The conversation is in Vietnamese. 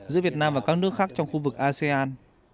giữa việt nam và các nước khác trong khu vực asean